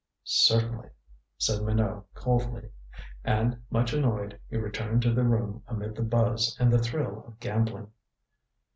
"Certainly," said Minot coldly. And, much annoyed, he returned to the room amid the buzz and the thrill of gambling.